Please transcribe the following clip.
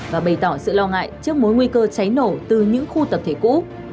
và bày tỏ sự lo ngại trước mối nguy cơ cháy nổ từ những khu tập thể cũ